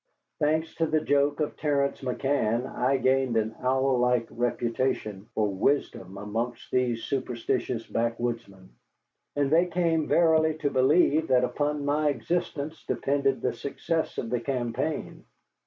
Thanks to the jokes of Terence McCann, I gained an owl like reputation for wisdom amongst these superstitious backwoodsmen, and they came verily to believe that upon my existence depended the success of the campaign.